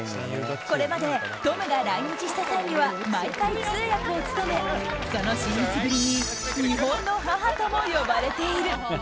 これまでトムが来日した際には毎回、通訳を務めその親密ぶりに日本の母とも呼ばれている。